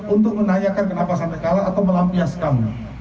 untuk menanyakan kenapa sampai kalah atau melampiaskan